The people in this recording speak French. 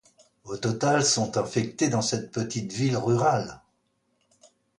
Au total, sont infectées dans cette petite ville rurale.